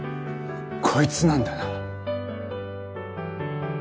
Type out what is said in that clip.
こいつなんだな？